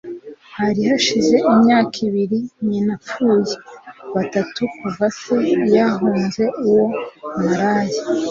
Hari hashize imyaka ibiri nyina apfuye - batatu kuva se yahunze uwo maraya.